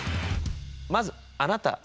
まずあなた。